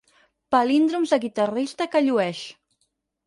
Palíndroms de guitarrista que llueix.